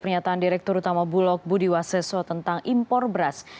pernyataan direktur utama bulog budiwaseso tentang impor beras